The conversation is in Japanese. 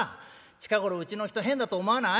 近頃うちの人変だと思わない？」。